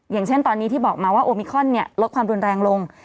อย่างเช่นตอนนี้ที่บอกมาว่าโอมิคอนลดความรุนแรงลง